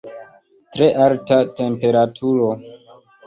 Tre alta temperaturo.